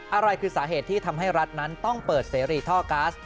อะไรคือสาเหตุที่ทำให้รัฐนั้นต้องเปิดเสรีท่อก๊าซ